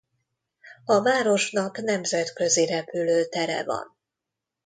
A városnak nemzetközi repülőtere van.